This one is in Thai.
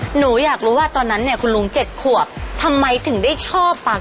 หนูอยากรู้ว่าตอนนั้นเนี่ยคุณลุง๗ขวบทำไมถึงได้ชอบฟัง